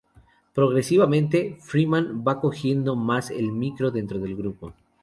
Progresivamente, Freeman va cogiendo más el micro dentro del grupo.